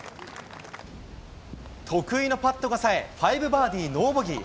得意のパットがさえ、５バーディーノーボギー。